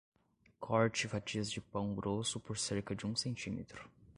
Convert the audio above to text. Corte fatias de pão grosso por cerca de um centímetro.